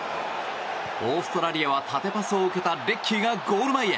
オーストラリアは縦パスを受けたレッキーがゴール前へ。